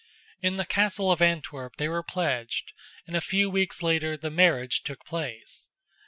In the castle of Antwerp they were pledged, and a few weeks later the marriage took place.